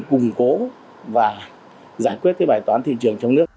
củng cố và giải quyết cái bài toán thị trường trong nước